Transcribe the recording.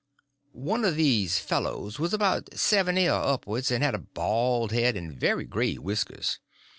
One of these fellows was about seventy or upwards, and had a bald head and very gray whiskers.